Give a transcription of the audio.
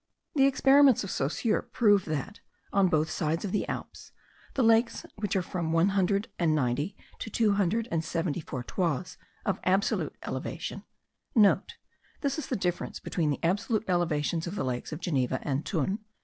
The experiments of Saussure prove that, on both sides of the Alps, the lakes which are from one hundred and ninety to two hundred and seventy four toises of absolute elevation* (* This is the difference between the absolute elevations of the lakes of Geneva and Thun.)